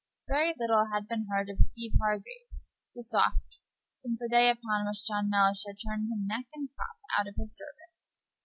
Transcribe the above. Very little had been seen of Steeve Hargraves, the softy, since the day upon which John Mellish had turned him neck and crop out of his service.